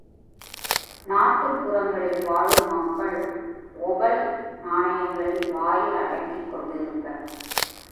நாட்டுப் புறங்களில் வாழும் மக்கள் ஒபல் நாணயங்களை வாயில் அடக்கிக் கொண்டு இருப்பர்.